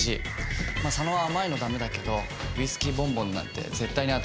まあ佐野は甘いの駄目だけどウイスキーボンボンなんて絶対に与えちゃ駄目だよね。